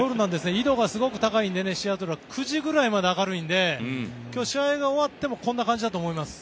緯度がすごく高いのでシアトルは９時ぐらいまで明るいので今日、試合が終わってもこんな感じだと思います。